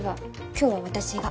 今日は私が。